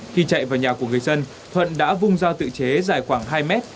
khi chạy vào nhà của người dân thuận đã vung dao tự chế dài khoảng hai mét